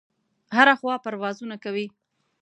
هره خوا پروازونه کوي.